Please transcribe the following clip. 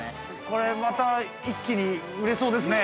◆これまた、一気に売れそうですね。